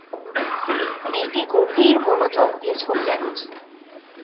মেয়েটি গভীর মনোযোগে ছবি আঁকছে।